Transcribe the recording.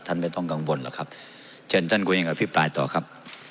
ท่านไม่ต้องกังวลหรอกครับเชิญท่านคุยกันกับอภิปรายต่อครับ